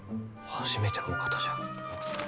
初めてのお方じゃ。